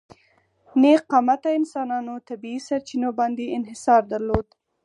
نېغ قامته انسانانو طبیعي سرچینو باندې انحصار درلود.